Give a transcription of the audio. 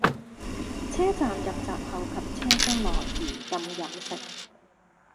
車站入閘後及車廂內，嚴禁飲食